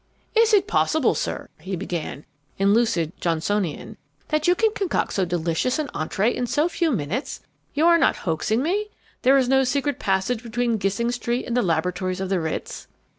"Is it possible, sir," he began, in lucid Johnsonian, "that you can concoct so delicious an entree in so few minutes? You are not hoaxing me? There is no secret passage between Gissing Street and the laboratories of the Ritz?"